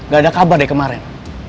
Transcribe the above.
gak ada kabar dari kemaren